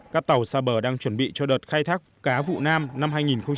các tàu xa bờ đang chuẩn bị cho đợt khai thác cá vụ nam năm hai nghìn một mươi chín